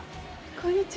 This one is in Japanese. こんにちは。